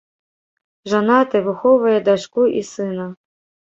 Жанаты, выхоўвае дачку і сына.